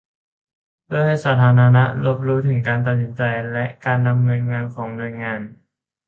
เพื่อให้สาธารณะรับรู้ถึงการตัดสินใจ และ การดำเนินงานของหน่วยงาน